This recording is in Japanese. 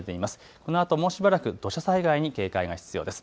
このあともうしばらく土砂災害に警戒が必要です。